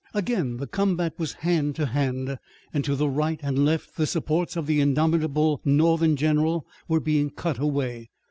Again the combat was hand to hand, and to the right and left the supports of the indomitable Northern general were being cut away.